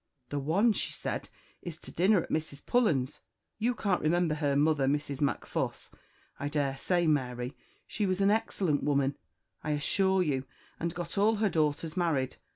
"The one," said she, "is to dinner at Mrs. Pullens's. You can't remember her mother, Mrs. Macfuss, I daresay, Mary she was a most excellent woman, I assure you, and got all her daughters married.